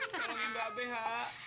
harusnya orang indah be ha